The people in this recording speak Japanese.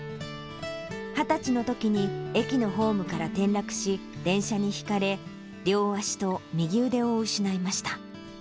２０歳のときに駅のホームから転落し、電車にひかれ、両足と右腕を失いました。